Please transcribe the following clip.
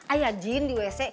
ayah jin di wc